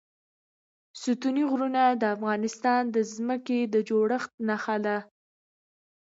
ستوني غرونه د افغانستان د ځمکې د جوړښت نښه ده.